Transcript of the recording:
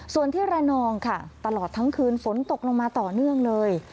ส่วนที่ระนองค่ะตลอดทั้งคืนฝนตกลงมาต่อเนื่องเลย